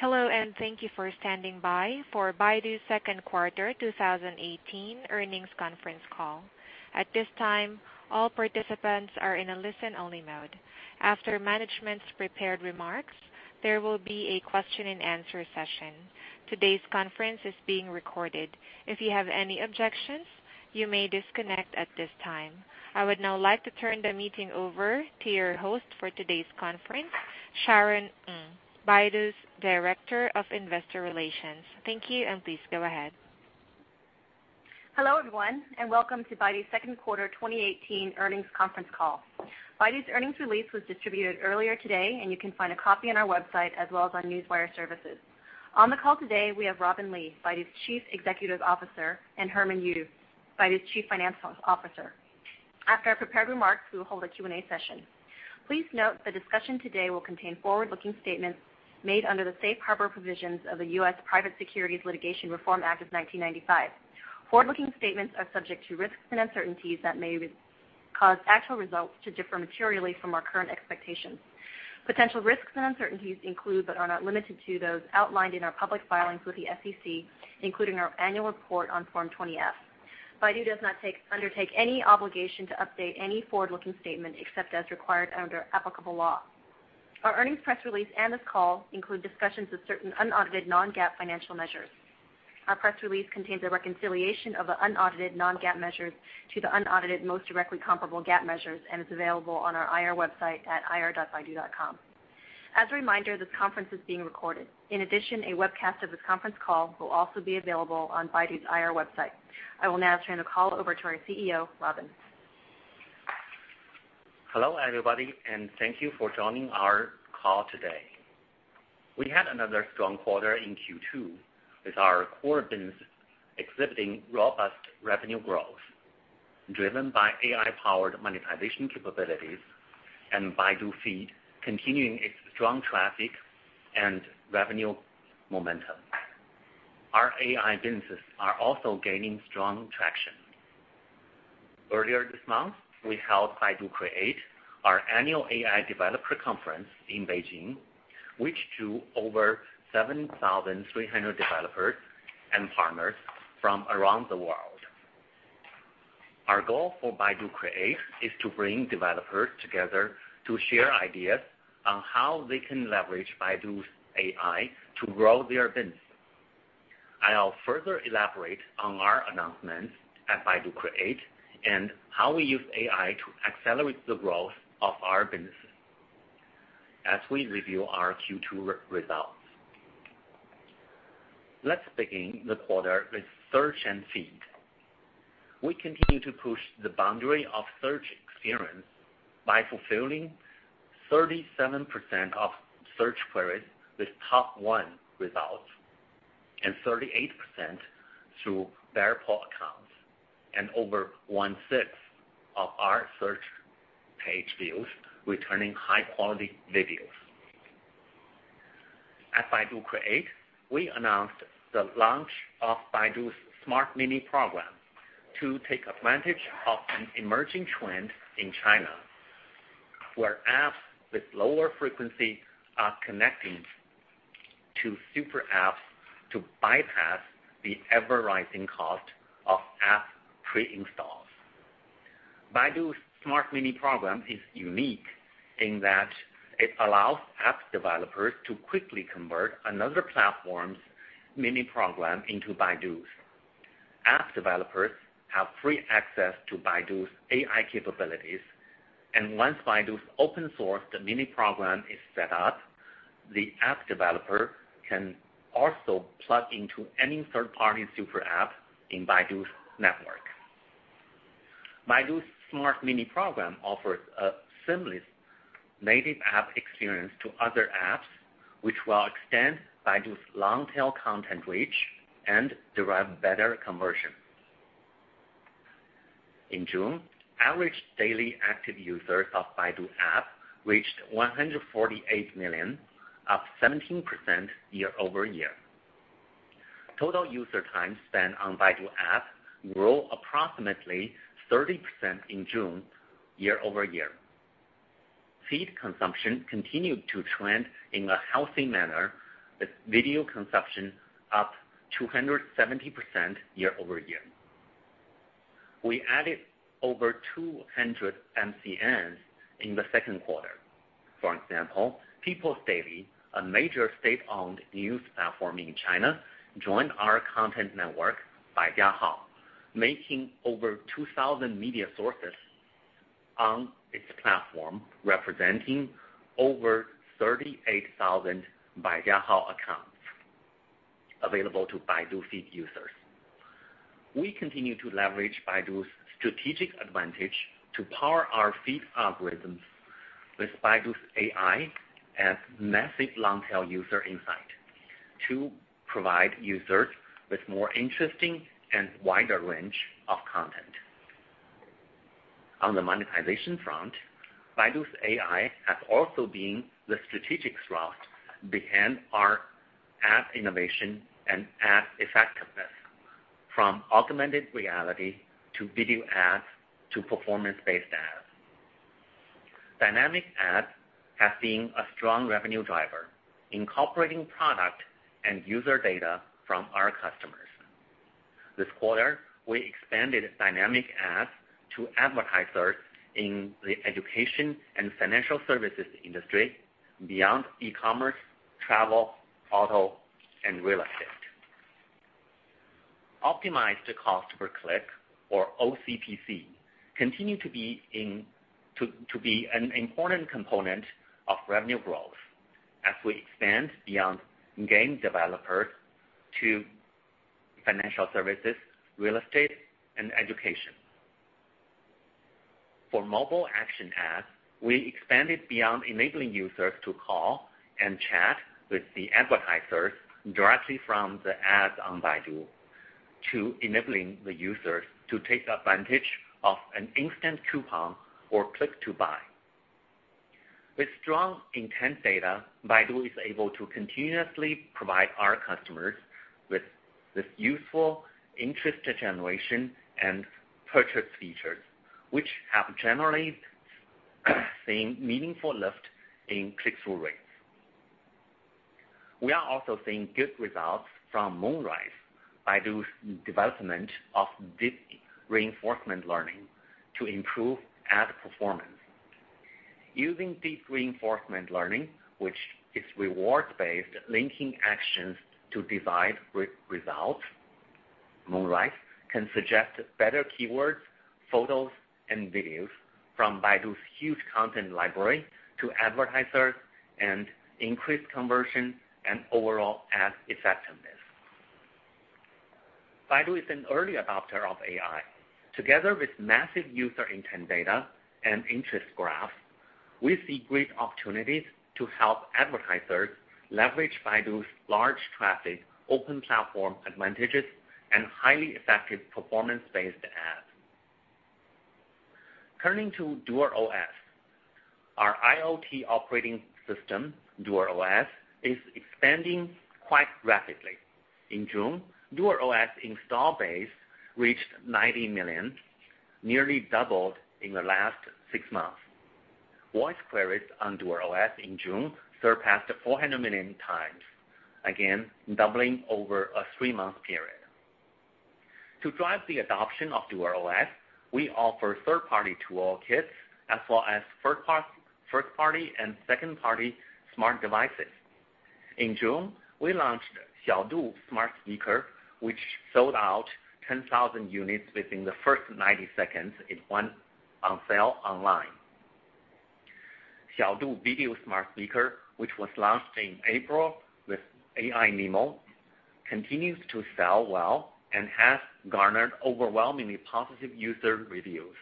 Hello, and thank you for standing by for Baidu's second quarter 2018 earnings conference call. At this time, all participants are in a listen-only mode. After management's prepared remarks, there will be a question and answer session. Today's conference is being recorded. If you have any objections, you may disconnect at this time. I would now like to turn the meeting over to your host for today's conference, Sharon Ng, Baidu's Director of Investor Relations. Thank you, and please go ahead. Hello, everyone, and welcome to Baidu's second quarter 2018 earnings conference call. Baidu's earnings release was distributed earlier today, and you can find a copy on our website as well as on Newswire Services. On the call today, we have Robin Li, Baidu's Chief Executive Officer, and Herman Yu, Baidu's Chief Financial Officer. After our prepared remarks, we will hold a Q&A session. Please note the discussion today will contain forward-looking statements made under the Safe Harbor Provisions of the U.S. Private Securities Litigation Reform Act of 1995. Forward-looking statements are subject to risks and uncertainties that may cause actual results to differ materially from our current expectations. Potential risks and uncertainties include, but are not limited to, those outlined in our public filings with the SEC, including our annual report on Form 20-F. Baidu does not undertake any obligation to update any forward-looking statement, except as required under applicable law. Our earnings press release and this call include discussions of certain unaudited non-GAAP financial measures. Our press release contains a reconciliation of the unaudited non-GAAP measures to the unaudited most directly comparable GAAP measures and is available on our IR website at ir.baidu.com. As a reminder, this conference is being recorded. In addition, a webcast of this conference call will also be available on Baidu's IR website. I will now turn the call over to our CEO, Robin. Hello, everybody, and thank you for joining our call today. We had another strong quarter in Q2, with our core business exhibiting robust revenue growth driven by AI-powered monetization capabilities and Baidu Feed continuing its strong traffic and revenue momentum. Our AI businesses are also gaining strong traction. Earlier this month, we held Baidu Create, our annual AI developer conference in Beijing, which drew over 7,300 developers and partners from around the world. Our goal for Baidu Create is to bring developers together to share ideas on how they can leverage Baidu's AI to grow their business. I will further elaborate on our announcements at Baidu Create and how we use AI to accelerate the growth of our business as we review our Q2 results. Let's begin the quarter with search and feed. We continue to push the boundary of search experience by fulfilling 37% of search queries with top one results and 38% through Baijiahao accounts, and over one-sixth of our search page views returning high-quality videos. At Baidu Create, we announced the launch of Baidu's Smart Mini Program to take advantage of an emerging trend in China, where apps with lower frequency are connecting to super apps to bypass the ever-rising cost of app pre-installs. Baidu's Smart Mini Program is unique in that it allows app developers to quickly convert another platform's mini program into Baidu's. App developers have free access to Baidu's AI capabilities, and once Baidu's open-source mini program is set up, the app developer can also plug into any third-party super app in Baidu's network. Baidu's Smart Mini Program offers a seamless native app experience to other apps, which will extend Baidu's long-tail content reach and derive better conversion. In June, average daily active users of Baidu app reached 148 million, up 17% year-over-year. Total user time spent on Baidu app grew approximately 30% in June year-over-year. Feed consumption continued to trend in a healthy manner, with video consumption up 270% year-over-year. We added over 200 MCNs in the second quarter. For example, People's Daily, a major state-owned news platform in China, joined our content network, Baijiahao, making over 2,000 media sources on its platform, representing over 38,000 Baijiahao accounts available to Baidu Feed users. We continue to leverage Baidu's strategic advantage to power our feed algorithms with Baidu's AI and massive long-tail user insight to provide users with more interesting and wider range of content. On the monetization front, Baidu's AI has also been the strategic thrust behind our app innovation and app effectiveness, from augmented reality to video ads to performance-based ads. Dynamic ads have been a strong revenue driver, incorporating product and user data from our customers. This quarter, we expanded dynamic ads to advertisers in the education and financial services industry beyond e-commerce, travel, auto, and real estate. Optimized cost per click, or OCPC, continue to be an important component of revenue growth as we expand beyond game developers to financial services, real estate, and education. For mobile action ads, we expanded beyond enabling users to call and chat with the advertisers directly from the ads on Baidu to enabling the users to take advantage of an instant coupon or click to buy. With strong intent data, Baidu is able to continuously provide our customers with this useful interest generation and purchase features, which have generally seen meaningful lift in click-through rates. We are also seeing good results from Moonrise, Baidu's development of deep reinforcement learning to improve ad performance. Using deep reinforcement learning, which is reward-based, linking actions to divide results, Moonrise can suggest better keywords, photos, and videos from Baidu's huge content library to advertisers and increase conversion and overall ad effectiveness. Baidu is an early adopter of AI. Together with massive user intent data and interest graph, we see great opportunities to help advertisers leverage Baidu's large traffic open platform advantages and highly effective performance-based ads. Turning to DuerOS. Our IoT operating system, DuerOS, is expanding quite rapidly. In June, DuerOS install base reached 90 million, nearly doubled in the last six months. Voice queries on DuerOS in June surpassed 400 million times, again doubling over a 3-month period. To drive the adoption of DuerOS, we offer third-party toolkits as well as first-party and second-party smart devices. In June, we launched Xiaodu smart speaker, which sold out 10,000 units within the first 90 seconds it went on sale online. Xiaodu Video smart speaker, which was launched in April with AI Nemo, continues to sell well and has garnered overwhelmingly positive user reviews.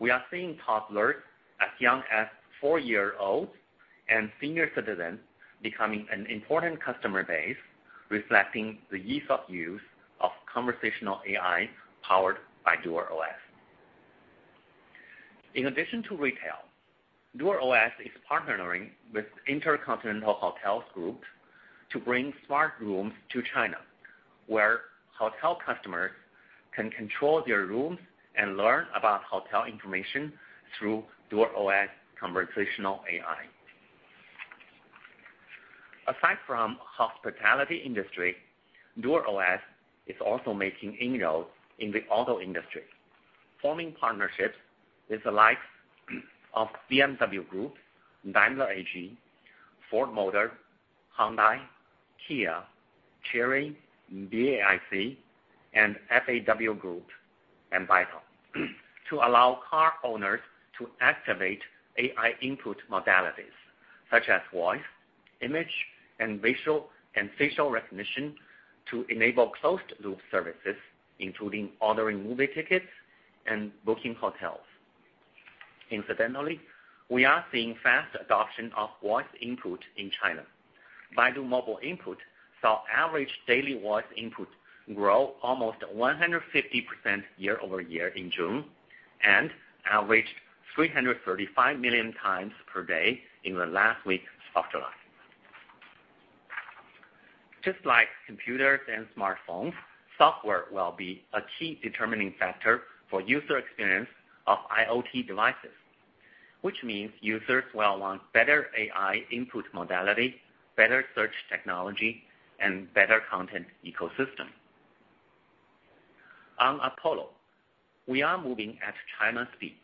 We are seeing toddlers as young as 4-year-olds and senior citizens becoming an important customer base, reflecting the ease of use of conversational AI powered by DuerOS. In addition to retail, DuerOS is partnering with InterContinental Hotels Group to bring smart rooms to China, where hotel customers can control their rooms and learn about hotel information through DuerOS conversational AI. Aside from hospitality industry, DuerOS is also making inroads in the auto industry, forming partnerships with the likes of BMW Group, Daimler AG, Ford Motor, Hyundai, Kia, Chery, BAIC, and FAW Group to allow car owners to activate AI input modalities such as voice, image, and facial recognition to enable closed-loop services, including ordering movie tickets and booking hotels. Incidentally, we are seeing fast adoption of voice input in China. Baidu Mobile Input saw average daily voice input grow almost 150% year-over-year in June and averaged 335 million times per day in the last week of July. Just like computers and smartphones, software will be a key determining factor for user experience of IoT devices, which means users will want better AI input modality, better search technology, and better content ecosystem. On Apollo, we are moving at China speed.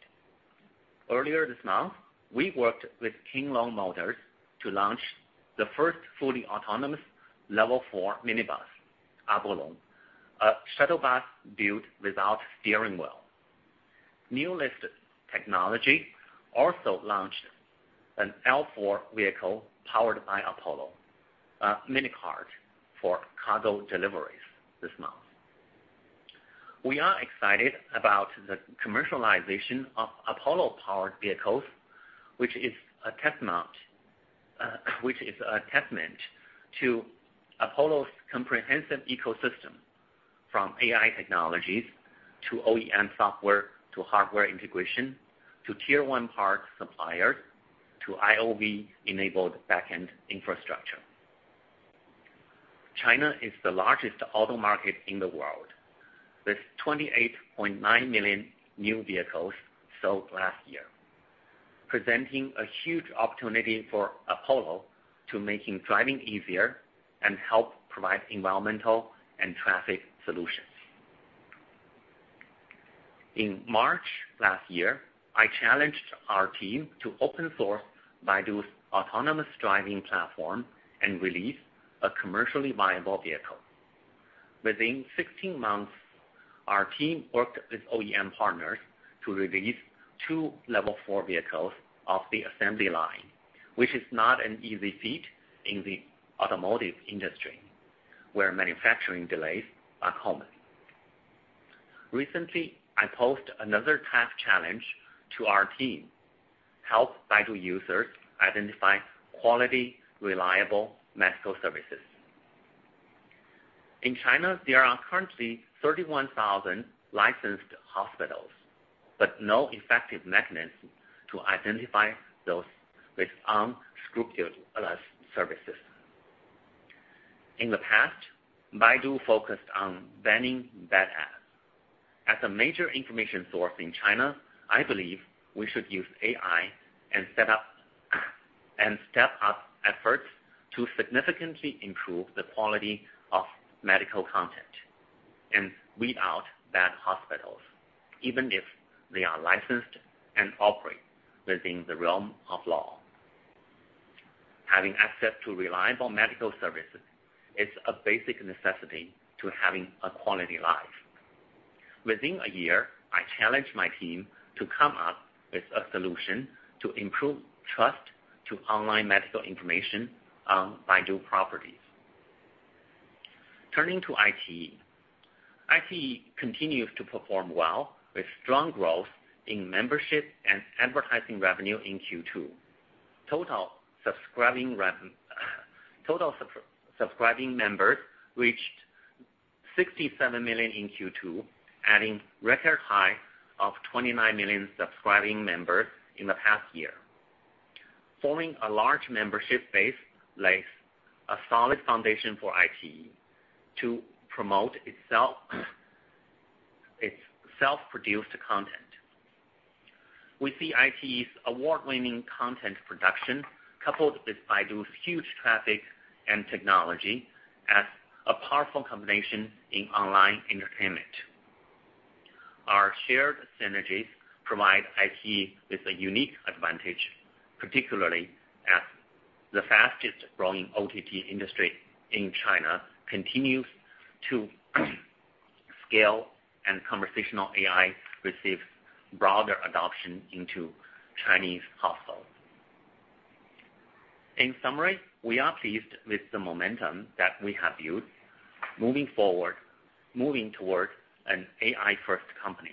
Earlier this month, we worked with King Long Motors to launch the first fully autonomous level 4 minibus, Apolong, a shuttle bus built without steering wheel. Neolix Technology also launched an L4 vehicle powered by Apollo, a mini cart for cargo deliveries this month. We are excited about the commercialization of Apollo powered vehicles, which is a testament to Apollo's comprehensive ecosystem from AI technologies to OEM software, to hardware integration, to tier 1 part suppliers, to IoV-enabled back-end infrastructure. China is the largest auto market in the world, with 28.9 million new vehicles sold last year, presenting a huge opportunity for Apollo to making driving easier and help provide environmental and traffic solutions. In March last year, I challenged our team to open source Baidu's autonomous driving platform and release a commercially viable vehicle. Within 16 months, our team worked with OEM partners to release two level 4 vehicles off the assembly line, which is not an easy feat in the automotive industry, where manufacturing delays are common. Recently, I posed another tough challenge to our team: help Baidu users identify quality, reliable medical services. In China, there are currently 31,000 licensed hospitals, but no effective mechanism to identify those with unscrupulous services. In the past, Baidu focused on banning bad ads. As a major information source in China, I believe we should use AI and step up efforts to significantly improve the quality of medical content and weed out bad hospitals, even if they are licensed and operate within the realm of law. Having access to reliable medical services is a basic necessity to having a quality life. Within a year, I challenged my team to come up with a solution to improve trust to online medical information on Baidu properties. Turning to iQIYI. iQIYI continues to perform well, with strong growth in membership and advertising revenue in Q2. Total subscribing members reached 67 million in Q2, adding record high of 29 million subscribing members in the past year. Forming a large membership base lays a solid foundation for iQIYI to promote its self-produced content. We see iQIYI's award-winning content production, coupled with Baidu's huge traffic and technology, as a powerful combination in online entertainment. Our shared synergies provide iQIYI with a unique advantage, particularly as the fastest growing OTT industry in China continues to scale and conversational AI receives broader adoption into Chinese households. In summary, we are pleased with the momentum that we have built moving toward an AI-first company.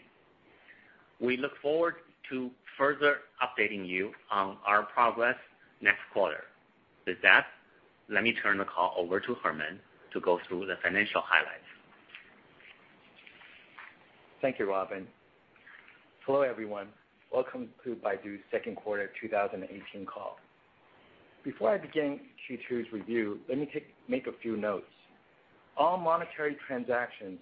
We look forward to further updating you on our progress next quarter. With that, let me turn the call over to Herman to go through the financial highlights. Thank you, Robin. Hello, everyone. Welcome to Baidu's second quarter 2018 call. Before I begin Q2's review, let me make a few notes. All monetary transactions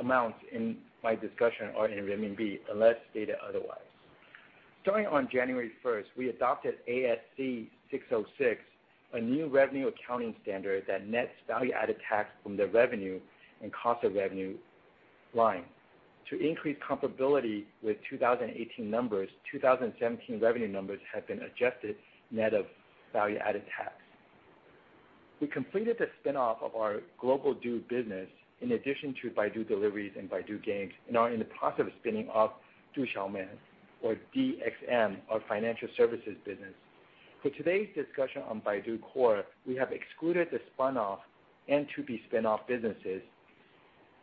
amounts in my discussion are in renminbi unless stated otherwise. Starting on January 1st, we adopted ASC 606, a new revenue accounting standard that nets value-added tax from the revenue and cost of revenue line. To increase comparability with 2018 numbers, 2017 revenue numbers have been adjusted net of value-added tax. We completed the spin-off of our Global DU business in addition to Baidu Deliveries and Baidu Games, and are in the process of spinning off Du Xiaoman, or DXM, our financial services business. For today's discussion on Baidu Core, we have excluded the spin-off and to-be spin-off businesses,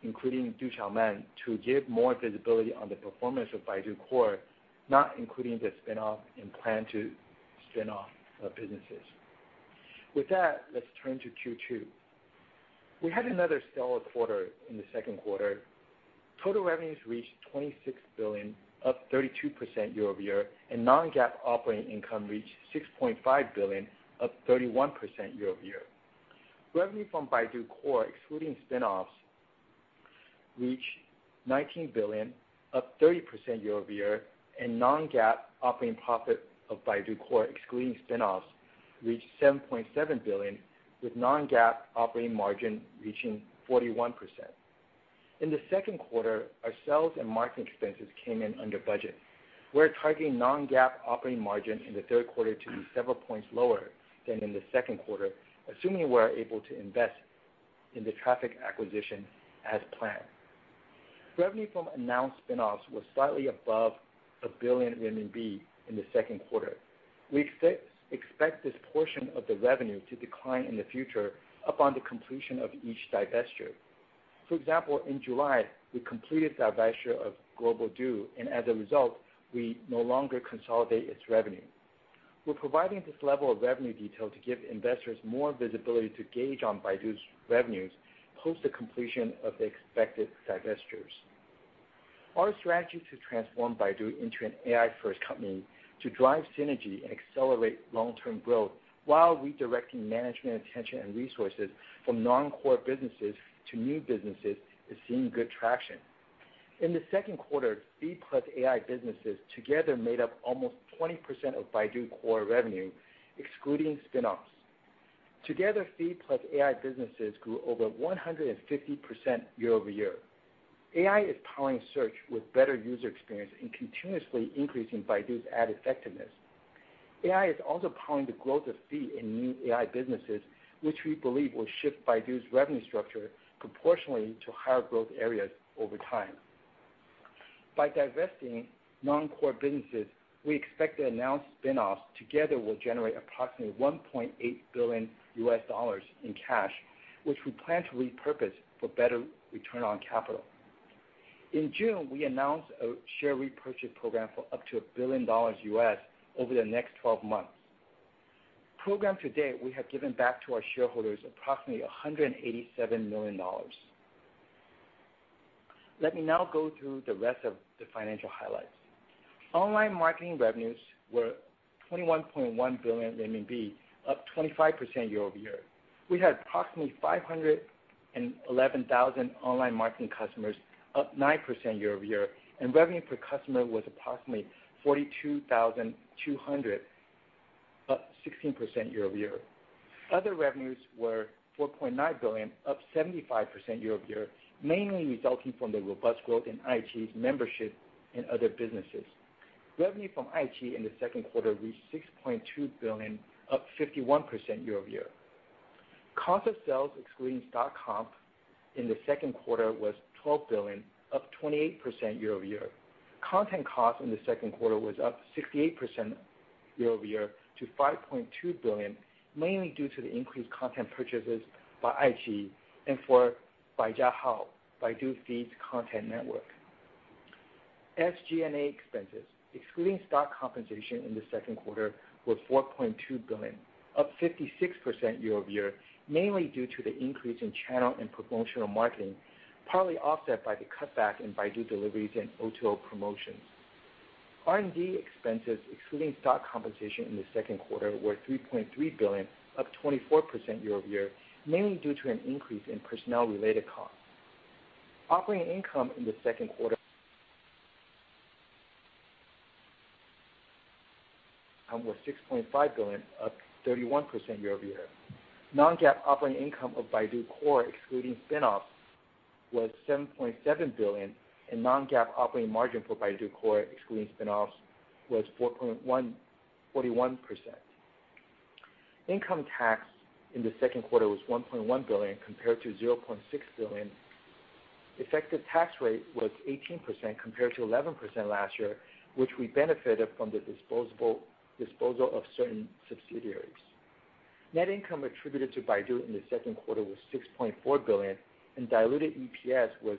including Du Xiaoman, to give more visibility on the performance of Baidu Core, not including the spin-off and plan to spin-off businesses. With that, let's turn to Q2. We had another stellar quarter in the second quarter. Total revenues reached 26 billion, up 32% year-over-year, and non-GAAP operating income reached 6.5 billion, up 31% year-over-year. Revenue from Baidu Core, excluding spin-offs, reached 19 billion, up 30% year-over-year, and non-GAAP operating profit of Baidu Core, excluding spin-offs, reached 7.7 billion, with non-GAAP operating margin reaching 41%. In the second quarter, our sales and marketing expenses came in under budget. We're targeting non-GAAP operating margin in the third quarter to be several points lower than in the second quarter, assuming we are able to invest in the traffic acquisition as planned. Revenue from announced spin-offs was slightly above 1 billion RMB in the second quarter. We expect this portion of the revenue to decline in the future upon the completion of each divestiture. For example, in July, we completed the divestiture of Global DU, and as a result, we no longer consolidate its revenue. We are providing this level of revenue detail to give investors more visibility to gauge on Baidu's revenues post the completion of the expected divestitures. Our strategy to transform Baidu into an AI first company to drive synergy and accelerate long-term growth while redirecting management attention and resources from non-core businesses to new businesses is seeing good traction. In the second quarter, feed plus AI businesses together made up almost 20% of Baidu Core revenue, excluding spin-offs. Together, feed plus AI businesses grew over 150% year-over-year. AI is powering search with better user experience and continuously increasing Baidu's ad effectiveness. AI is also powering the growth of feed in new AI businesses, which we believe will shift Baidu's revenue structure proportionally to higher growth areas over time. By divesting non-core businesses, we expect the announced spin-offs together will generate approximately $1.8 billion in cash, which we plan to repurpose for better return on capital. In June, we announced a share repurchase program for up to $1 billion over the next 12 months. Program to date, we have given back to our shareholders approximately $187 million. Let me now go through the rest of the financial highlights. Online marketing revenues were 21.1 billion RMB, up 25% year-over-year. We had approximately 511,000 online marketing customers, up 9% year-over-year, and revenue per customer was approximately 42,200, up 16% year-over-year. Other revenues were 4.9 billion, up 75% year-over-year, mainly resulting from the robust growth in iQIYI's membership and other businesses. Revenue from iQIYI in the second quarter reached 6.2 billion, up 51% year-over-year. Cost of sales, excluding stock comp in the second quarter, was 12 billion, up 28% year-over-year. Content cost in the second quarter was up 68% year-over-year to 5.2 billion, mainly due to the increased content purchases by iQIYI and for Baijiahao, Baidu Feed's content network. SG&A expenses, excluding stock compensation in the second quarter, were 4.2 billion, up 56% year-over-year, mainly due to the increase in channel and promotional marketing, partly offset by the cutback in Baidu Deliveries and O2O promotions. R&D expenses, excluding stock compensation in the second quarter, were 3.3 billion, up 24% year-over-year, mainly due to an increase in personnel-related costs. Operating income in the second quarter was CNY 6.5 billion, up 31% year-over-year. Non-GAAP operating income of Baidu Core, excluding spin-offs, was 7.7 billion, and non-GAAP operating margin for Baidu Core, excluding spin-offs, was 4.1%. Income tax in the second quarter was 1.1 billion compared to 0.6 billion. Effective tax rate was 18% compared to 11% last year, which we benefited from the disposal of certain subsidiaries. Net income attributed to Baidu in the second quarter was 6.4 billion and diluted EPS was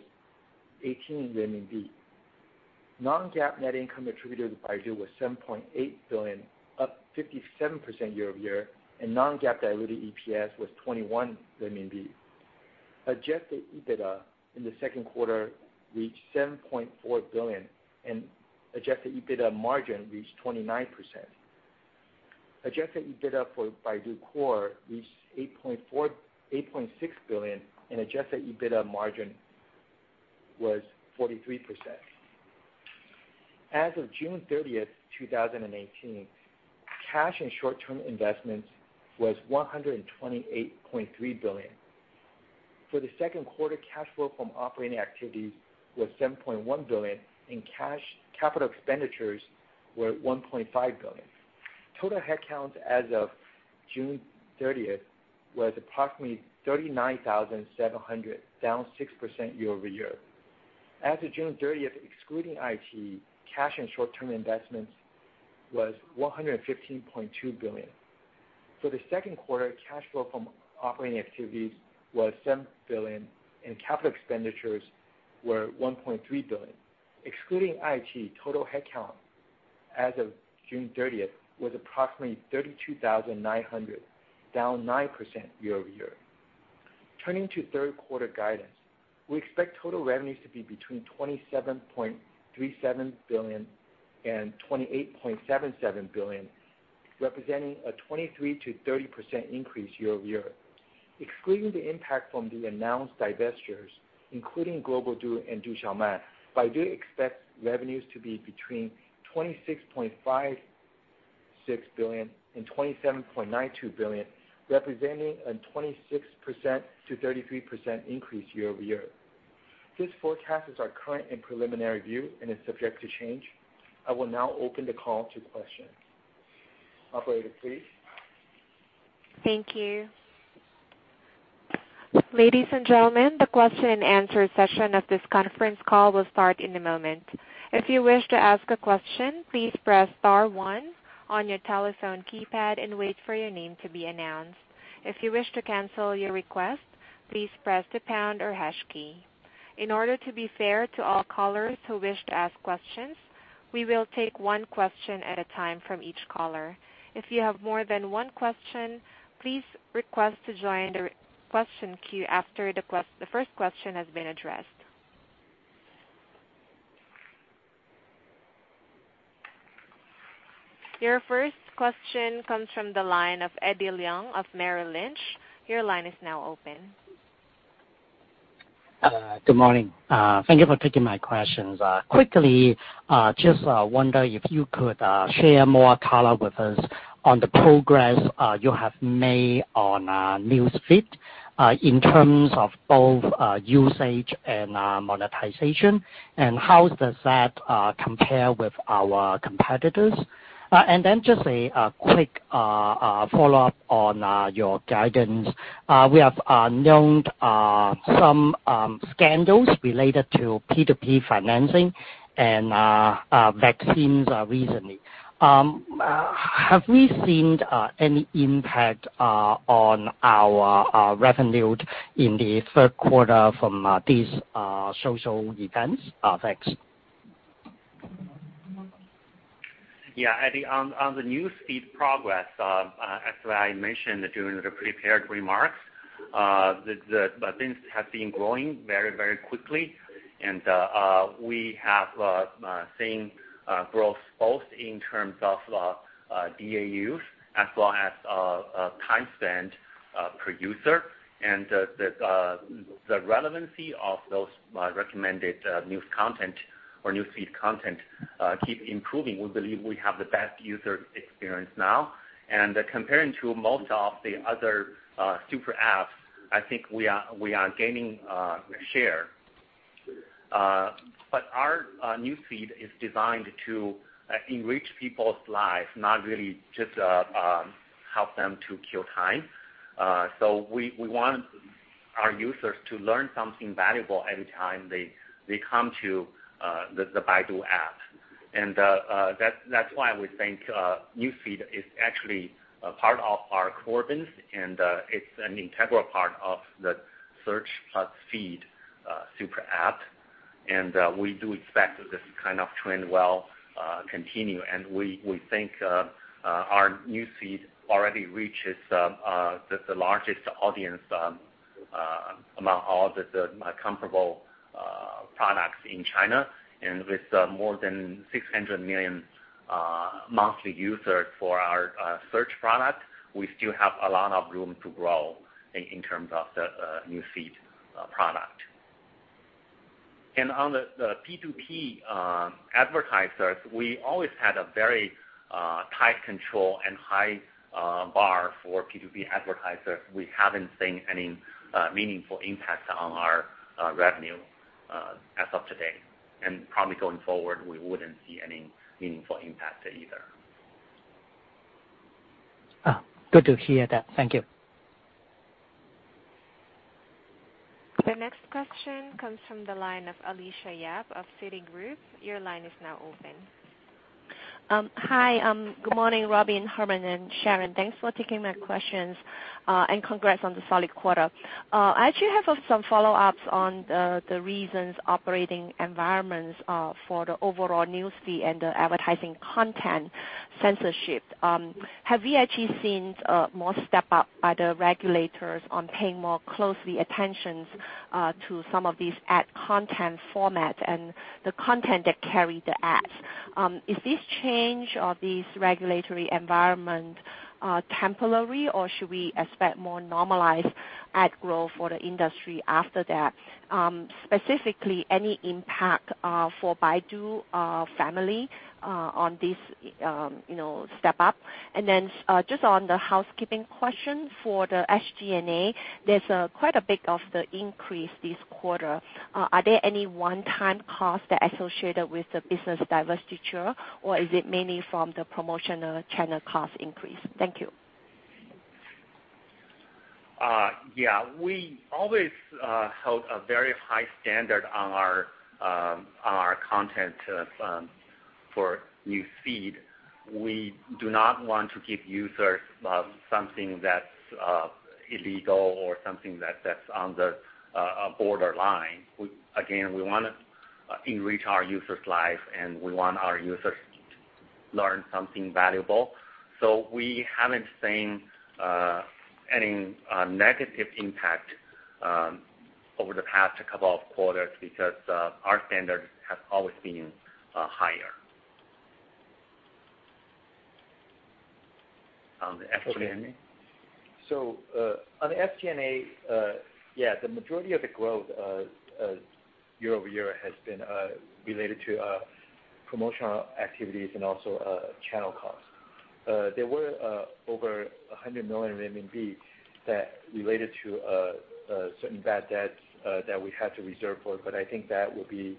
18 RMB. Non-GAAP net income attributed to Baidu was 7.8 billion, up 57% year-over-year, and non-GAAP diluted EPS was 21 RMB. Adjusted EBITDA in the second quarter reached 7.4 billion and adjusted EBITDA margin reached 29%. Adjusted EBITDA for Baidu Core reached 8.6 billion and adjusted EBITDA margin was 43%. As of June 30th, 2018, cash and short-term investments was 128.3 billion. For the second quarter, cash flow from operating activities was 7.1 billion and cash capital expenditures were 1.5 billion. Total headcounts as of June 30th was approximately 39,700, down 6% year-over-year. As of June 30th, excluding iQ, cash and short-term investments was 115.2 billion. For the second quarter, cash flow from operating activities was 7 billion and capital expenditures were 1.3 billion. Excluding iQ, total headcount as of June 30th was approximately 32,900, down 9% year-over-year. Turning to third quarter guidance, we expect total revenues to be between 27.37 billion and 28.77 billion, representing a 23%-30% increase year-over-year. Excluding the impact from the announced divestitures, including Global DU and Du Xiaoman, Baidu expects revenues to be between 26.56 billion and 27.92 billion, representing a 26%-33% increase year-over-year. This forecast is our current and preliminary view and is subject to change. I will now open the call to questions. Operator, please. Thank you. Ladies and gentlemen, the question and answer session of this conference call will start in a moment. If you wish to ask a question, please press star one on your telephone keypad and wait for your name to be announced. If you wish to cancel your request, please press the pound or hash key. In order to be fair to all callers who wish to ask questions, we will take one question at a time from each caller. If you have more than one question, please request to join the question queue after the first question has been addressed. Your first question comes from the line of Eddie Leung of Merrill Lynch. Your line is now open. Good morning. Thank you for taking my questions. Quickly, just wonder if you could share more color with us on the progress you have made on Baidu Feed in terms of both usage and monetization. How does that compare with our competitors? Just a quick follow-up on your guidance. We have known some scandals related to P2P financing and vaccines recently. Have we seen any impact on our revenue in the third quarter from these social events? Thanks. Eddie, on the Baidu Feed progress, as I mentioned during the prepared remarks, things have been growing very quickly, and we have seen growth both in terms of DAUs as well as time spent per user, and the relevancy of those recommended news content or Baidu Feed content keep improving. We believe we have the best user experience now. Comparing to most of the other super apps, I think we are gaining share. Our Baidu Feed is designed to enrich people's lives, not really just help them to kill time. We want our users to learn something valuable every time they come to the Baidu app. That's why we think Baidu Feed is actually a part of our Baidu Core, and it's an integral part of the Search+Feed super app, and we do expect this kind of trend will continue. We think our newsfeed already reaches the largest audience among all the comparable products in China. With more than 600 million monthly users for our search product, we still have a lot of room to grow in terms of the newsfeed product. On the P2P advertisers, we always had a very tight control and high bar for P2P advertisers. We haven't seen any meaningful impact on our revenue as of today, and probably going forward, we wouldn't see any meaningful impact either. Good to hear that. Thank you. The next question comes from the line of Alicia Yap of Citigroup. Your line is now open. Hi. Good morning, Robin, Herman, and Sharon. Thanks for taking my questions, and congrats on the solid quarter. I actually have some follow-ups on the recent operating environments for the overall newsfeed and the advertising content censorship. Have you actually seen more step-up by the regulators on paying more closely attention to some of these ad content format and the content that carry the ads? Is this change of this regulatory environment temporary, or should we expect more normalized ad growth for the industry after that? Specifically, any impact for Baidu family on this step-up? Then just on the housekeeping question for the SG&A, there's quite a bit of the increase this quarter. Are there any one-time costs that are associated with the business divestiture, or is it mainly from the promotional channel cost increase? Thank you. Yeah. We always held a very high standard on our content for Baidu Feed. We do not want to give users something that's illegal or something that's on the borderline. Again, we want to enrich our users' lives, and we want our users to learn something valuable. We haven't seen any negative impact over the past couple of quarters because our standards have always been higher. On the SG&A? On the SG&A, yeah, the majority of the growth year-over-year has been related to promotional activities and also channel costs. There were over 100 million RMB that related to certain bad debts that we had to reserve for, I think that will be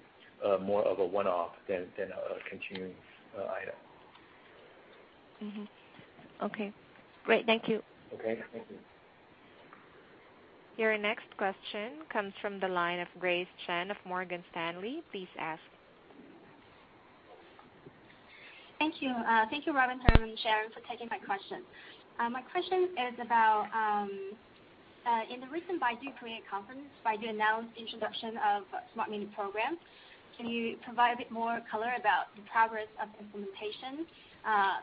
more of a one-off than a continuing item. Okay. Great. Thank you. Okay. Thank you. Your next question comes from the line of Grace Chen of Morgan Stanley. Please ask. Thank you. Thank you, Robin, Herman and Sharon, for taking my questions. My question is about, in the recent Baidu Create conference, Baidu announced the introduction of Smart Mini Program. Can you provide a bit more color about the progress of implementation,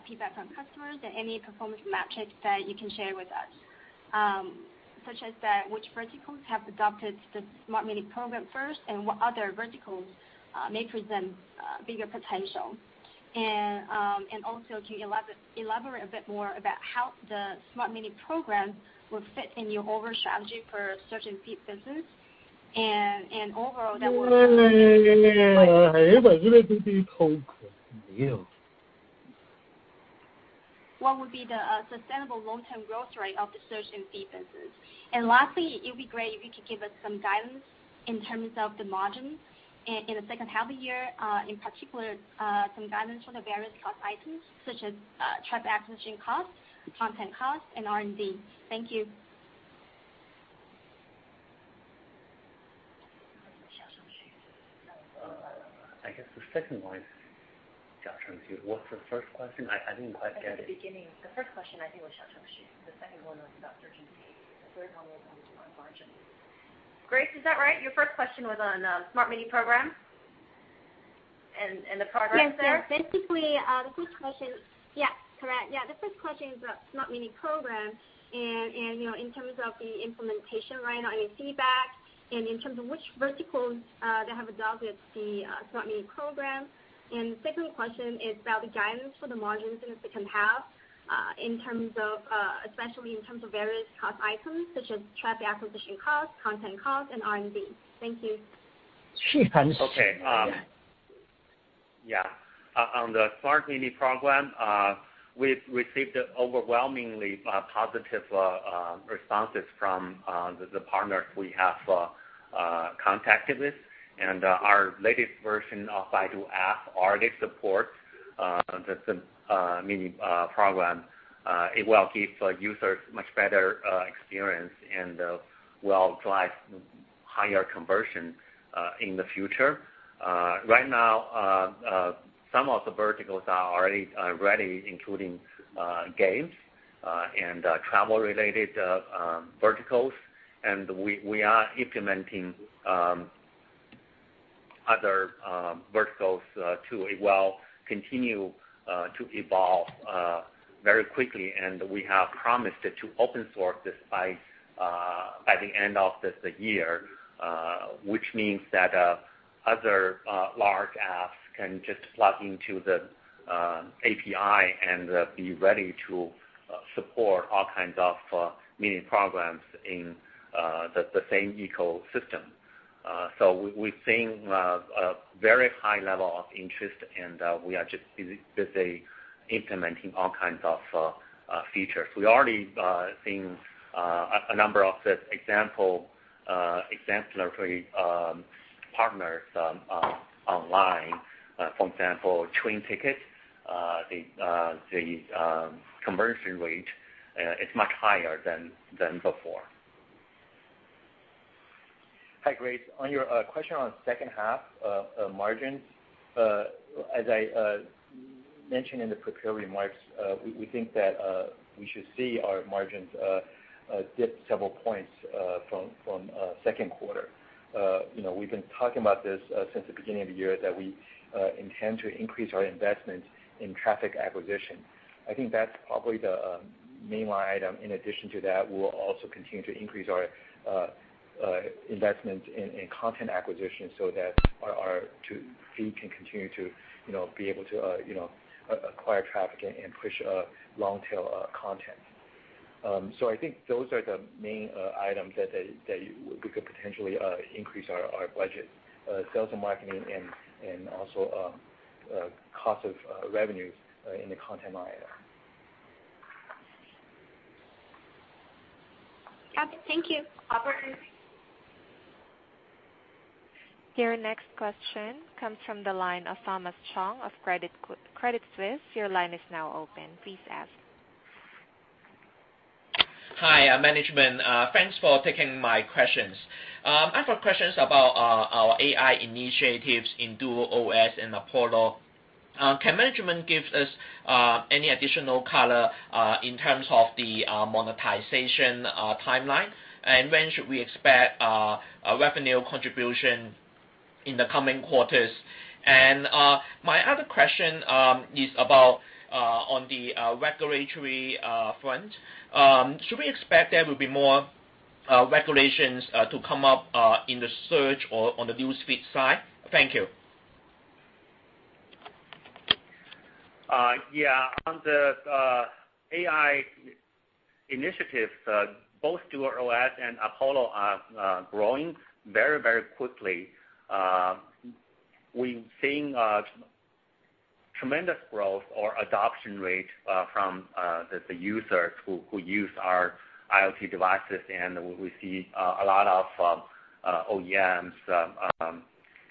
feedback from customers, and any performance metrics that you can share with us? Such as that which verticals have adopted the Smart Mini Program first, and what other verticals may present bigger potential. Can you elaborate a bit more about how the Smart Mini Program will fit in your overall strategy for search and feed business and, what would be the sustainable long-term growth rate of the search and feed business? It would be great if you could give us some guidance in terms of the margin in the second half of the year, in particular, some guidance on the various cost items, such as traffic acquisition costs, content costs, and R&D. Thank you. I guess the second one got confused. What's the first question? I didn't quite get it. The second one was about search and feed. The third one was on margins. Grace, is that right? Your first question was on Smart Mini Program, and the progress there? Yes. Basically, the first question, correct. The first question is about Smart Mini Program and in terms of the implementation right now and feedback, and in terms of which verticals that have adopted the Smart Mini Program. The second question is about the guidance for the margins in the second half, especially in terms of various cost items such as traffic acquisition costs, content costs, and R&D. Thank you. Okay. On the Smart Mini Program, we've received overwhelmingly positive responses from the partners we have contacted with. Our latest version of Baidu app already supports the Mini Program. It will give users much better experience and will drive higher conversion in the future. Right now, some of the verticals are already including games and travel-related verticals. We are implementing other verticals, too. It will continue to evolve very quickly. We have promised to open-source this by the end of this year, which means that other large apps can just plug into the API and be ready to support all kinds of mini programs in the same ecosystem. We're seeing a very high level of interest. We are just busy implementing all kinds of features. We're already seeing a number of the exemplary partners online. For example, train tickets, the conversion rate is much higher than before. Hi, Grace. On your question on second half margins, as I mentioned in the prepared remarks, we think that we should see our margins dip several points from second quarter. We've been talking about this since the beginning of the year, that we intend to increase our investment in traffic acquisition. I think that's probably the main line item. In addition to that, we'll also continue to increase our investment in content acquisition so that our feed can continue to be able to acquire traffic and push long-tail content. I think those are the main items that we could potentially increase our budget, sales and marketing and also cost of revenues in the content line item. Okay, thank you. Welcome. Your next question comes from the line of Thomas Chong of Credit Suisse. Your line is now open. Please ask. Hi, management. Thanks for taking my questions. I've got questions about our AI initiatives in DuerOS and Apollo. Can management give us any additional color in terms of the monetization timeline, and when should we expect a revenue contribution in the coming quarters? My other question is about on the regulatory front. Should we expect there will be more regulations to come up in the search or on the news feed side? Thank you. Yeah. On the AI initiatives, both DuerOS and Apollo are growing very quickly. We're seeing tremendous growth or adoption rate from the users who use our IoT devices, and we see a lot of OEM,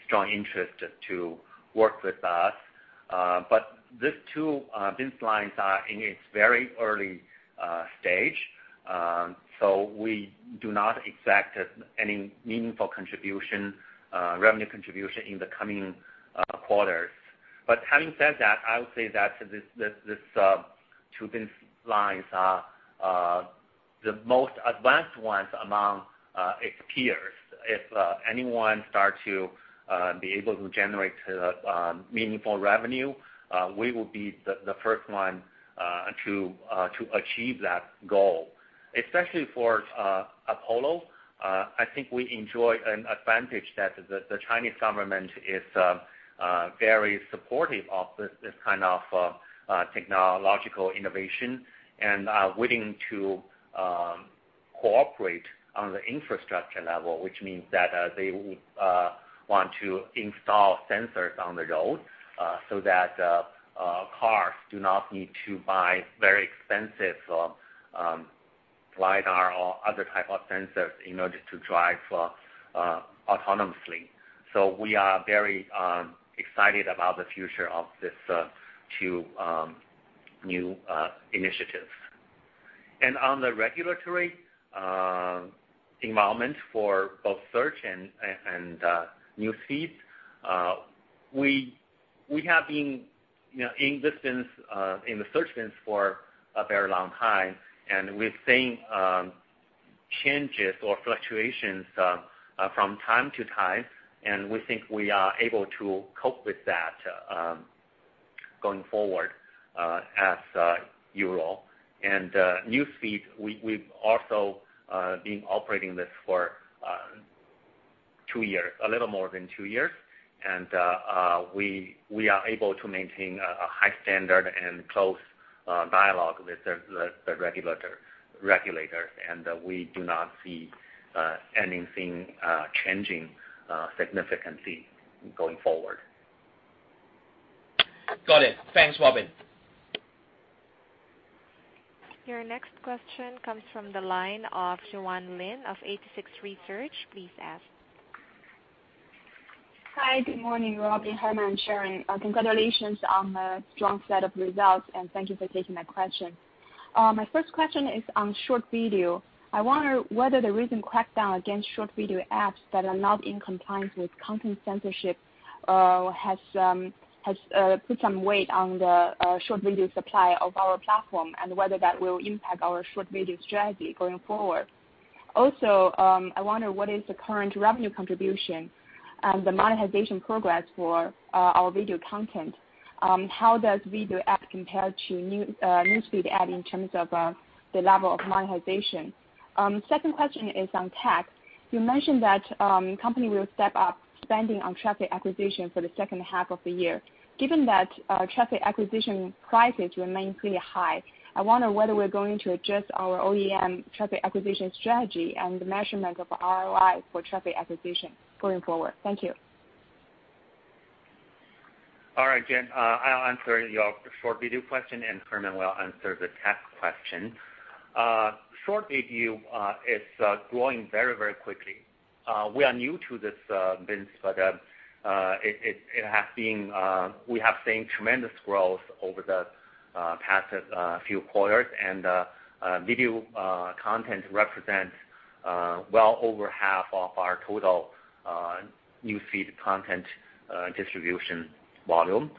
strong interest to work with us. These two business lines are in its very early stage. We do not expect any meaningful revenue contribution in the coming quarters. Having said that, I would say that these two business lines are The most advanced ones among its peers. If anyone starts to be able to generate meaningful revenue, we will be the first one to achieve that goal. Especially for Apollo, I think we enjoy an advantage that the Chinese government is very supportive of this kind of technological innovation and are willing to cooperate on the infrastructure level, which means that they would want to install sensors on the road, so that cars do not need to buy very expensive LIDAR or other type of sensors in order to drive autonomously. We are very excited about the future of these two new initiatives. On the regulatory environment for both search and newsfeed, we have been in the search business for a very long time, and we've seen changes or fluctuations from time to time, and we think we are able to cope with that going forward as usual. Newsfeed, we've also been operating this for a little more than two years, and we are able to maintain a high standard and close dialogue with the regulators, and we do not see anything changing significantly going forward. Got it. Thanks, Robin. Your next question comes from the line of Juan Lin of 86Research. Please ask. Hi. Good morning, Robin, Herman, Sharon. Congratulations on the strong set of results, and thank you for taking my question. My first question is on short video. I wonder whether the recent crackdown against short video apps that are not in compliance with content censorship has put some weight on the short video supply of our platform, and whether that will impact our short video strategy going forward. Also, I wonder, what is the current revenue contribution and the monetization progress for our video content? How does video app compare to newsfeed ad in terms of the level of monetization? Second question is on TAC. You mentioned that company will step up spending on traffic acquisition for the second half of the year. Given that traffic acquisition prices remain pretty high, I wonder whether we're going to adjust our OEM traffic acquisition strategy and the measurement of ROI for traffic acquisition going forward. Thank you. All right, Juan, I'll answer your short video question, and Herman will answer the TAC question. Short video is growing very, very quickly. We are new to this business, but we have seen tremendous growth over the past few quarters. Video content represents well over half of our total newsfeed content distribution volume.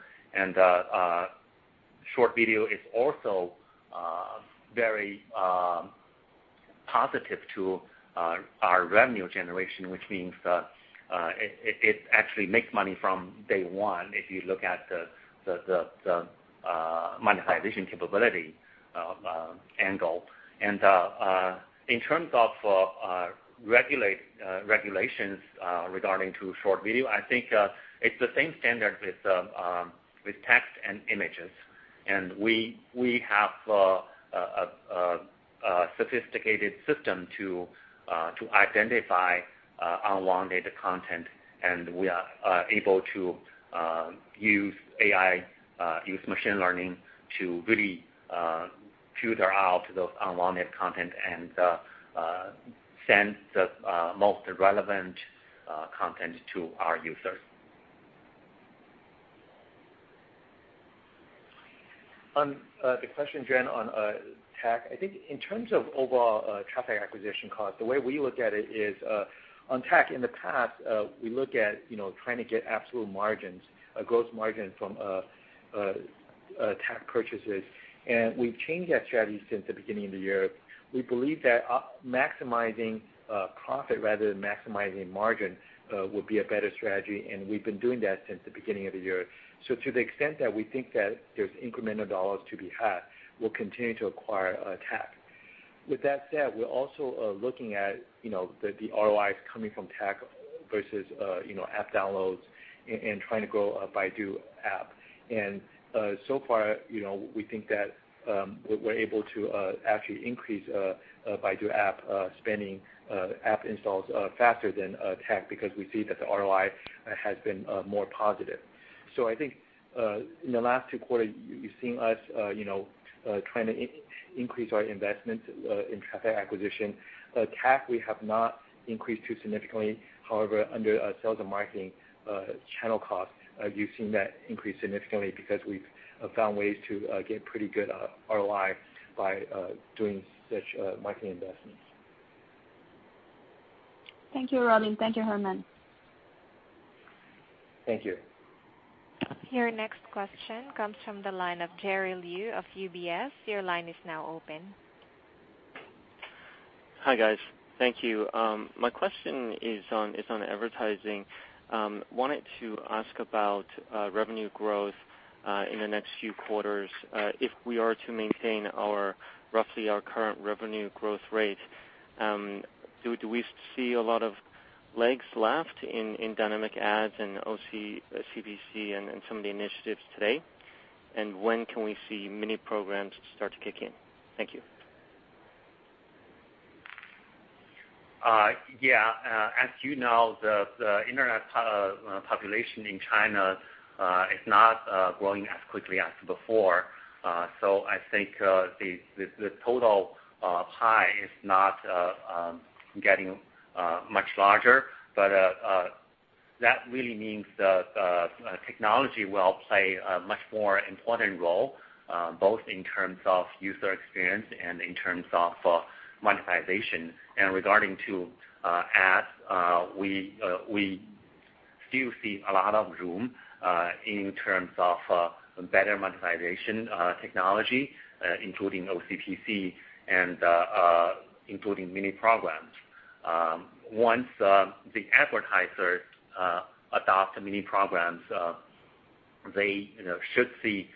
Short video is also very positive to our revenue generation, which means it actually makes money from day one, if you look at the monetization capability angle. In terms of regulations regarding to short video, I think it's the same standard with text and images, and we have a sophisticated system to identify unwanted content, and we are able to use AI, use machine learning to really filter out those unwanted content and send the most relevant content to our users. On the question, Jen, on TAC. I think in terms of overall traffic acquisition cost, the way we look at it is, on TAC in the past, we look at trying to get absolute margins, a gross margin from TAC purchases, and we've changed that strategy since the beginning of the year. We believe that maximizing profit rather than maximizing margin would be a better strategy, and we've been doing that since the beginning of the year. To the extent that we think that there's incremental dollars to be had, we'll continue to acquire TAC. With that said, we're also looking at the ROIs coming from TAC versus app downloads and trying to grow a Baidu app. So far, we think that we're able to actually increase Baidu app spending app installs faster than TAC because we see that the ROI has been more positive. I think in the last two quarters, you've seen us trying to increase our investments in traffic acquisition. TAC, we have not increased too significantly. However, under sales and marketing channel costs, you've seen that increase significantly because we've found ways to get pretty good ROI by doing such marketing investments. Thank you, Robin. Thank you, Herman. Thank you. Your next question comes from the line of Jerry Liu of UBS. Your line is now open. Hi, guys. Thank you. My question is on advertising. Wanted to ask about revenue growth in the next few quarters if we are to maintain roughly our current revenue growth rate. Do we see a lot of legs left in dynamic ads and OCPC and some of the initiatives today? When can we see Mini Programs start to kick in? Thank you. Yeah. As you know, the Internet population in China is not growing as quickly as before. I think the total pie is not getting much larger, but that really means the technology will play a much more important role, both in terms of user experience and in terms of monetization. Regarding to ads, we still see a lot of room in terms of better monetization technology, including OCPC and including Mini Programs. Once the advertisers adopt Mini Programs, they should see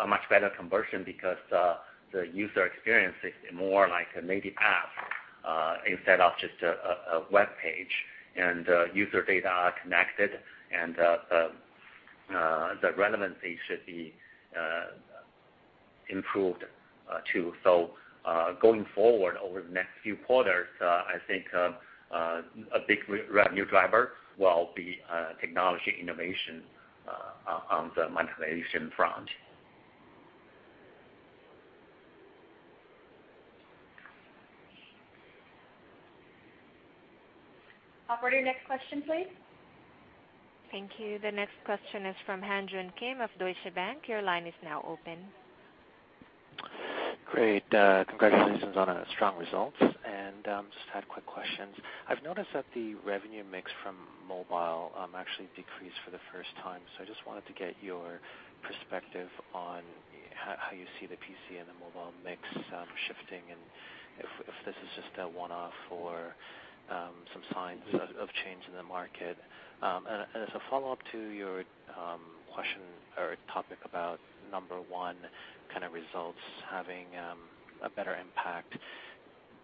a much better conversion because the user experience is more like a native app instead of just a webpage, and user data are connected, and the relevancy should be improved, too. Going forward over the next few quarters, I think a big revenue driver will be technology innovation on the monetization front. Operator, next question, please. Thank you. The next question is from Han Joon Kim of Deutsche Bank. Your line is now open. Great. Congratulations on strong results, just had quick questions. I've noticed that the revenue mix from mobile actually decreased for the first time, I just wanted to get your perspective on how you see the PC and the mobile mix shifting and if this is just a one-off or some signs of change in the market. As a follow-up to your question or topic about number one kind of results having a better impact,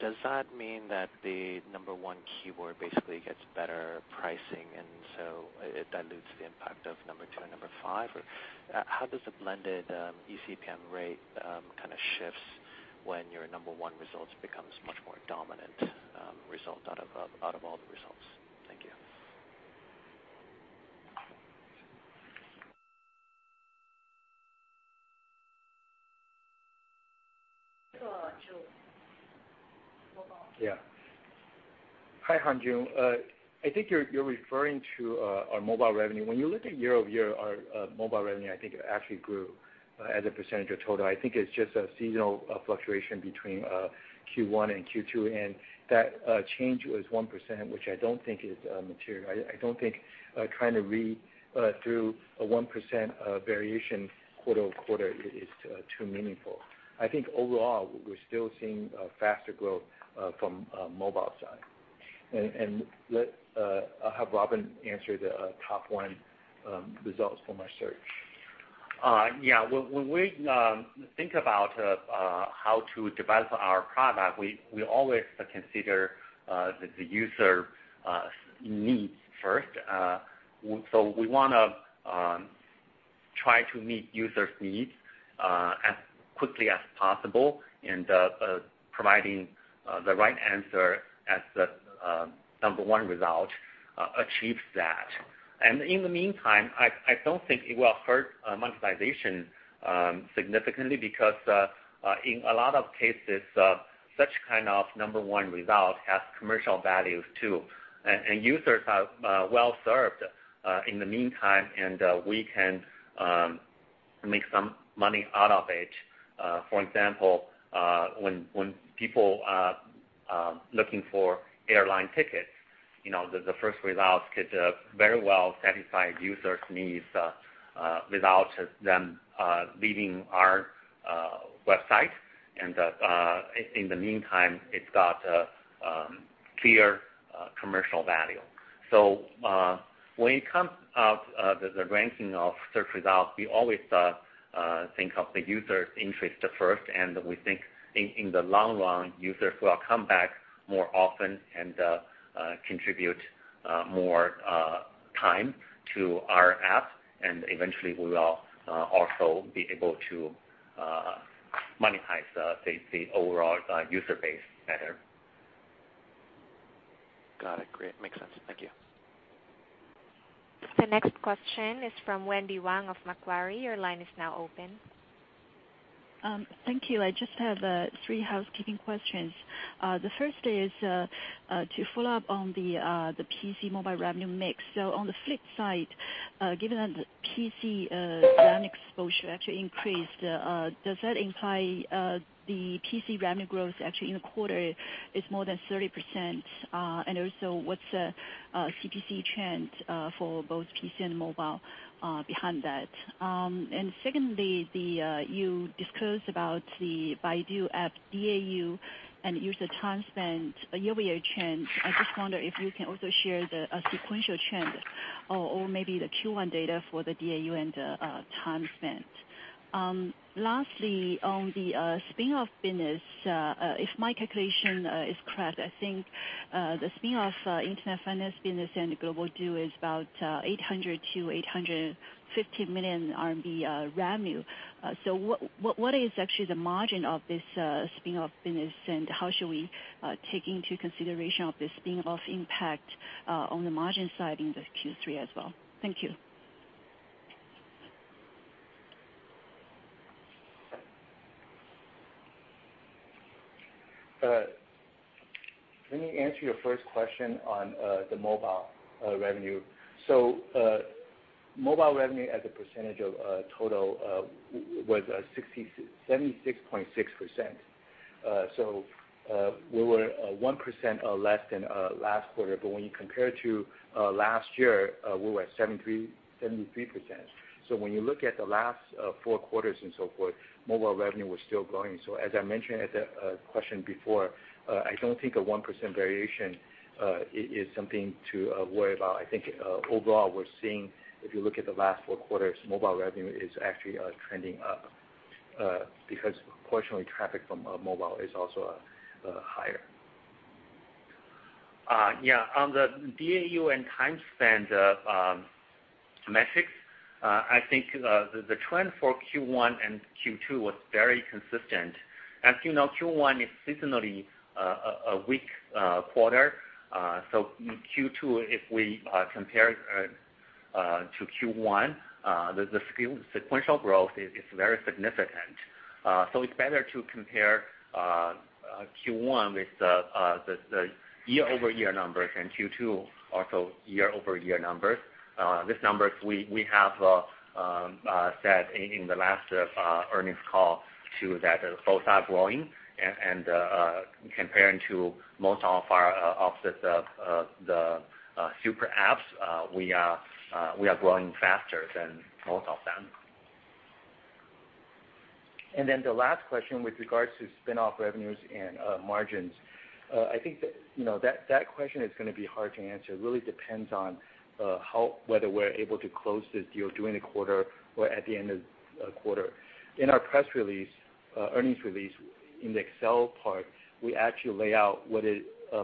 does that mean that the number one keyword basically gets better pricing and so it dilutes the impact of number two and number five, or how does the blended eCPM rate kind of shifts when your number one results becomes much more dominant result out of all the results? Thank you. This is for Joon, mobile. Yeah. Hi, Han Joon. I think you're referring to our mobile revenue. When you look at year-over-year, our mobile revenue, I think it actually grew as a percentage of total. I think it's just a seasonal fluctuation between Q1 and Q2, that change was 1%, which I don't think is material. I don't think trying to read through a 1% variation quarter-over-quarter is too meaningful. I think overall, we're still seeing a faster growth from mobile side. I'll have Robin answer the top one results from our search. Yeah. When we think about how to develop our product, we always consider the user needs first. We want to try to meet users' needs as quickly as possible and providing the right answer as the number one result achieves that. In the meantime, I don't think it will hurt monetization significantly because in a lot of cases, such kind of number one result has commercial values, too. Users are well-served in the meantime, and we can make some money out of it. For example, when people are looking for airline tickets, the first results could very well satisfy users' needs without them leaving our website. In the meantime, it's got clear commercial value. When it comes of the ranking of search results, we always think of the user interest first. We think in the long run, users will come back more often and contribute more time to our app, eventually we will also be able to monetize the overall user base better. Got it. Great. Makes sense. Thank you. The next question is from Wendy Huangof Macquarie. Your line is now open. Thank you. I just have three housekeeping questions. The first is to follow up on the PC mobile revenue mix. On the flip side, given that the PC brand exposure actually increased, does that imply the PC revenue growth actually in the quarter is more than 30%? Also what's the CPC trend for both PC and mobile behind that? Secondly, you disclosed about the Baidu app DAU and user time spent year-over-year change. I just wonder if you can also share the sequential change or maybe the Q1 data for the DAU and time spent. On the spin-off business, if my calculation is correct, I think the spin-off internet finance business and Global DU is about 800 million to 850 million RMB revenue. What is actually the margin of this spin-off business, and how should we take into consideration of the spin-off impact on the margin side in the Q3 as well? Thank you. Let me answer your first question on the mobile revenue. Mobile revenue as a percentage of total was 76.6%. We were 1% less than last quarter, but when you compare to last year, we were at 73%. When you look at the last four quarters and so forth, mobile revenue was still growing. As I mentioned at the question before, I don't think a 1% variation is something to worry about. I think overall, we're seeing, if you look at the last four quarters, mobile revenue is actually trending up because proportionally traffic from mobile is also higher. Yeah. On the DAU and time spent metrics, I think the trend for Q1 and Q2 was very consistent. As you know, Q1 is seasonally a weak quarter. Q2, if we compare to Q1, the sequential growth is very significant. It's better to compare Q1 with the year-over-year numbers and Q2 also year-over-year numbers. These numbers we have said in the last earnings call too, that both are growing and comparing to most of the super apps, we are growing faster than most of them. The last question with regards to spin-off revenues and margins. I think that question is going to be hard to answer. It really depends on whether we are able to close this deal during the quarter or at the end of the quarter. In our press release, earnings release in the Excel part, we actually lay out what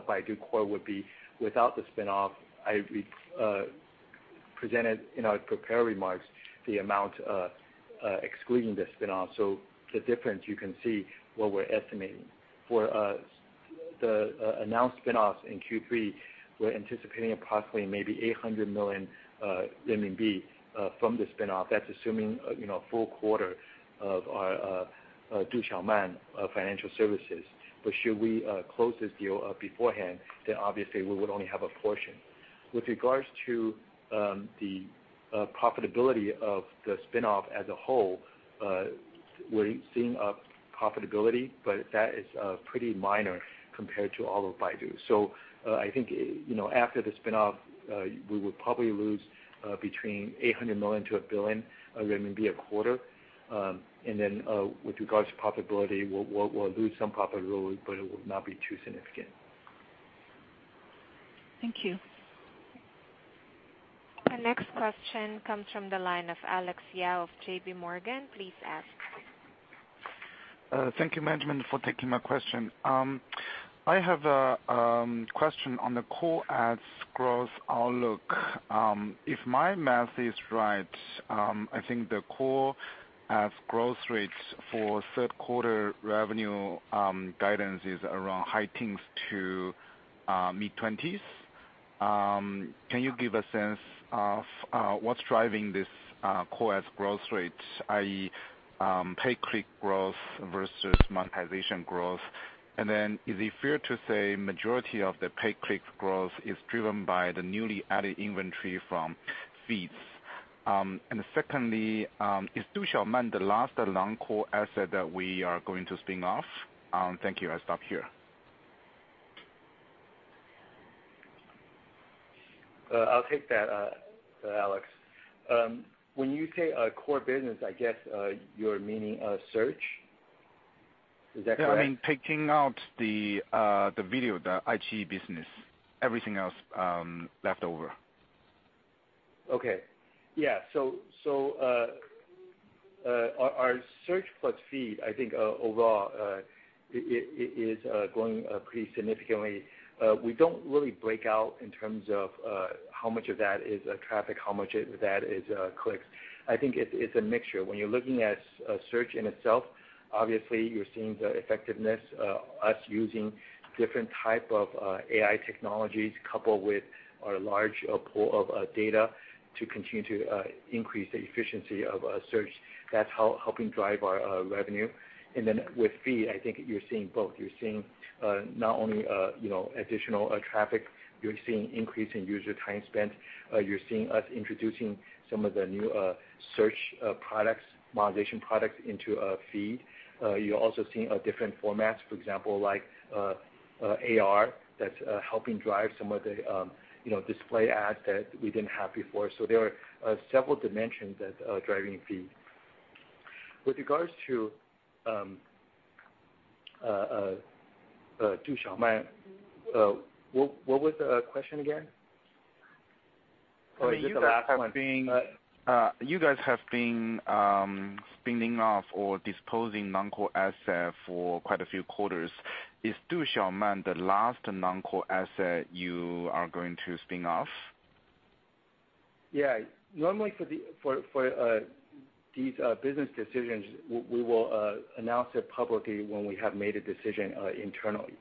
Baidu Core would be without the spin-off. We presented in our prepared remarks the amount excluding the spin-off. The difference you can see what we are estimating. For the announced spin-offs in Q3, we are anticipating possibly maybe 800 million RMB from the spin-off. That is assuming full quarter of our Du Xiaoman Financial. Should we close this deal beforehand, obviously we would only have a portion. With regards to the profitability of the spin-off as a whole, we are seeing a profitability, that is pretty minor compared to all of Baidu. I think after the spin-off, we would probably lose between 800 million to 1 billion RMB a quarter. With regards to profitability, we will lose some profitability, it will not be too significant. Thank you. The next question comes from the line of Alex Yao of J.P. Morgan. Please ask. Thank you, management, for taking my question. I have a question on the core ads growth outlook. If my math is right, I think the core ads growth rates for third quarter revenue guidance is around high teens to mid-20s. Can you give a sense of what's driving this core ads growth rate, i.e. pay-click growth versus monetization growth? Is it fair to say majority of the pay-click growth is driven by the newly added inventory from Feeds? Secondly, is Du Xiaoman the last non-core asset that we are going to spin off? Thank you. I stop here. I'll take that, Alex. When you say core business, I guess you're meaning search. Is that correct? Yeah, I mean taking out the video, the iQIYI business, everything else left over. Okay. Yeah. Our search plus Feed, I think overall, is growing pretty significantly. We don't really break out in terms of how much of that is traffic, how much of that is clicks. I think it's a mixture. When you're looking at search in itself, obviously you're seeing the effectiveness of us using different type of AI technologies coupled with our large pool of data to continue to increase the efficiency of search. That's helping drive our revenue. With Feed, I think you're seeing both. You're seeing not only additional traffic, you're seeing increase in user time spent, you're seeing us introducing some of the new search products, monetization products into Feed. You're also seeing different formats, for example, like AR, that's helping drive some of the display ads that we didn't have before. There are several dimensions that are driving Feed. With regards to Du Xiaoman, what was the question again? You guys have been spinning off or disposing non-core asset for quite a few quarters. Is Du Xiaoman the last non-core asset you are going to spin off? Yeah. Normally for these business decisions, we will announce it publicly when we have made a decision internally.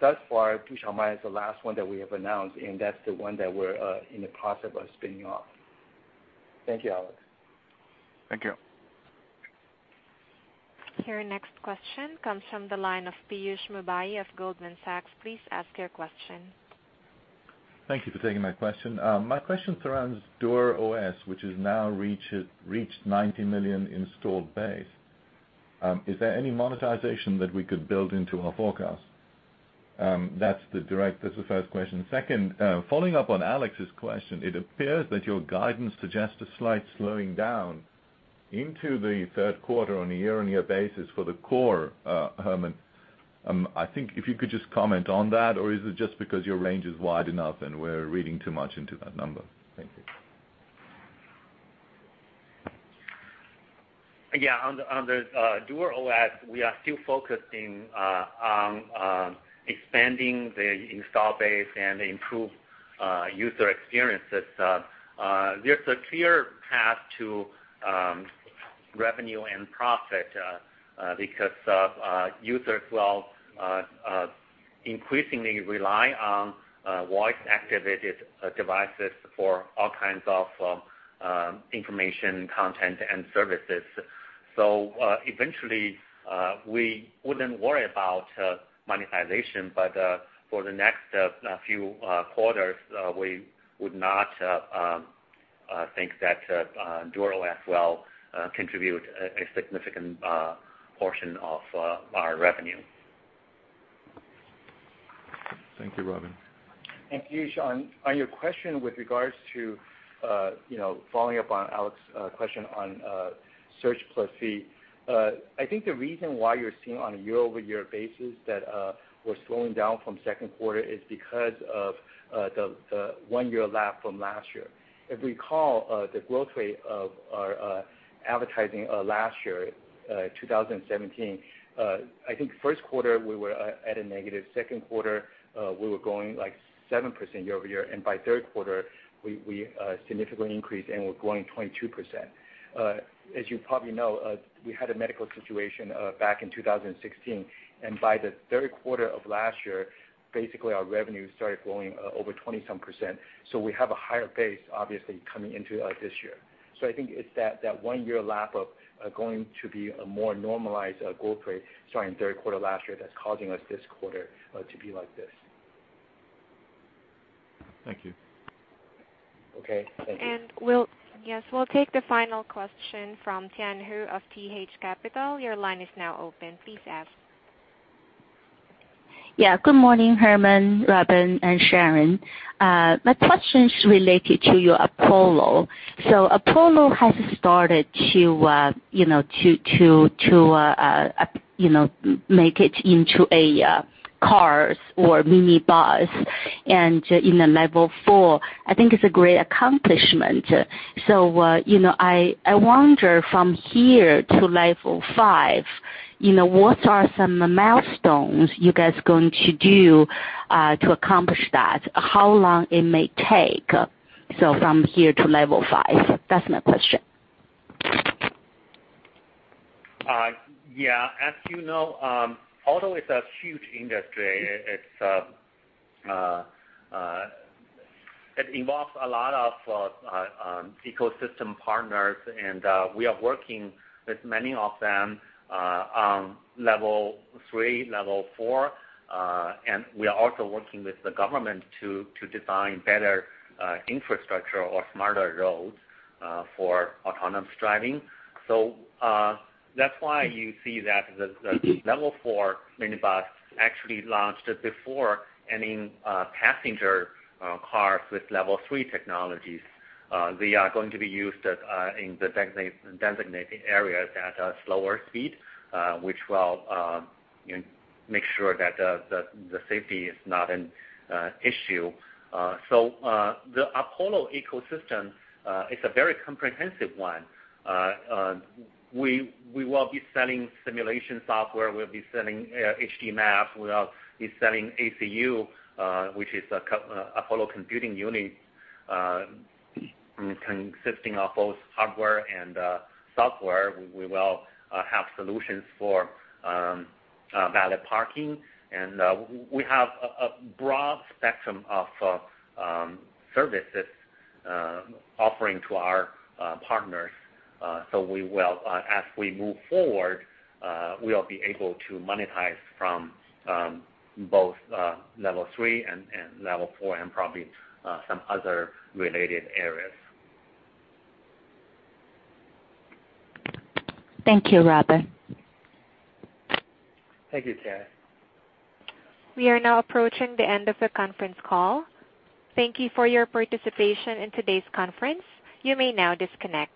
Thus far, Du Xiaoman is the last one that we have announced, and that's the one that we're in the process of spinning off. Thank you, Alex. Thank you. Your next question comes from the line of Piyush Mubayi of Goldman Sachs. Please ask your question. Thank you for taking my question. My question surrounds DuerOS, which has now reached 90 million installed base. Is there any monetization that we could build into our forecast? That's the first question. Second, following up on Alex's question, it appears that your guidance suggests a slight slowing down into the third quarter on a year-on-year basis for the core, Herman. I think if you could just comment on that, or is it just because your range is wide enough and we're reading too much into that number? Thank you. On the DuerOS, we are still focused on expanding the install base and improve user experiences. There's a clear path to revenue and profit because users will increasingly rely on voice-activated devices for all kinds of information, content, and services. Eventually we wouldn't worry about monetization, but for the next few quarters, we would not think that DuerOS will contribute a significant portion of our revenue. Thank you, Robin. Thank you, Piyush. On your question with regards to following up on Alex's question on Search plus feed, I think the reason why you're seeing on a year-over-year basis that we're slowing down from second quarter is because of the one-year lap from last year. If we recall, the growth rate of our advertising last year, 2017, I think first quarter, we were at a negative, second quarter, we were growing 7% year-over-year, and by third quarter, we significantly increased, and we're growing 22%. As you probably know, we had a medical situation back in 2016, and by the third quarter of last year, basically our revenue started growing over 20-some%. We have a higher base, obviously, coming into this year. I think it's that one-year lap of going to be a more normalized growth rate, starting third quarter last year, that's causing us this quarter to be like this. Thank you. Okay. Thank you. Yes, we'll take the final question from Tian Hou of TH Capital. Your line is now open. Please ask. Yeah. Good morning, Herman, Robin, and Sharon. My question is related to your Apollo. Apollo has started to make it into a cars or minibus and in the level 4. I think it's a great accomplishment. I wonder from here to level 5, what are some milestones you guys going to do to accomplish that? How long it may take from here to level 5? That's my question. Yeah. As you know, auto is a huge industry. It involves a lot of ecosystem partners, and we are working with many of them on level 3, level 4, and we are also working with the government to design better infrastructure or smarter roads for autonomous driving. That's why you see that the level 4 minibus actually launched before any passenger cars with level 3 technologies. They are going to be used in the designated areas at a slower speed, which will make sure that the safety is not an issue. The Apollo ecosystem is a very comprehensive one. We will be selling simulation software, we'll be selling HD maps, we will be selling ACU, which is Apollo Computing Unit, consisting of both hardware and software. We will have solutions for valet parking, and we have a broad spectrum of services offering to our partners. As we move forward, we'll be able to monetize from both level 3 and level 4 and probably some other related areas. Thank you, Robin. Thank you, Tian. We are now approaching the end of the conference call. Thank you for your participation in today's conference. You may now disconnect.